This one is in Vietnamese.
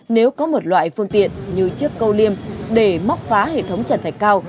nếu có một loại phương tiện như chiếc câu liêm để móc phá hệ thống trần thạch cao